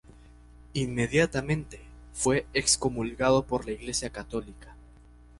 Inmediatamente, fue excomulgado por la Iglesia católica.